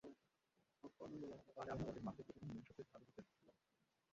আর আমি ওদের মাঝে প্রতিদিন মনুষ্যত্বের ভালো দিকটা দেখি।